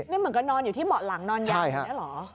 นี่มันก็นอนอยู่ที่เหมาะหลังนอนอยู่อย่างนี้หรอ